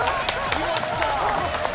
きました！